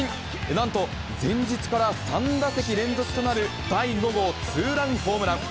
なんと、前日から３打席連続となる第５号ツーランホームラン。